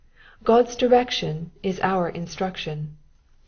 ^^ God's direction is our instruction.